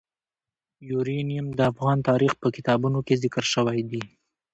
یورانیم د افغان تاریخ په کتابونو کې ذکر شوی دي.